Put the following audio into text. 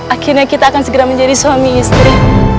akhirnya kita akan segera menjadi suami istri